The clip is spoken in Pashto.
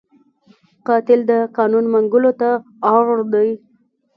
قاتل د قانون منګولو ته اړ دی